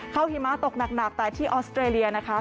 หิมะตกหนักแต่ที่ออสเตรเลียนะคะ